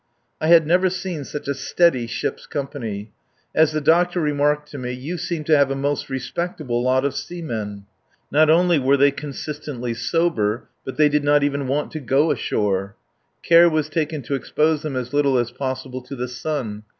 I had never seen such a steady ship's company. As the doctor remarked to me: "You seem to have a most respectable lot of seamen." Not only were they consistently sober, but they did not even want to go ashore. Care was taken to expose them as little as possible to the sun.